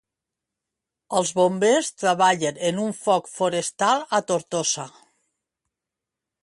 Els Bombers treballen en un foc forestal a Tortosa.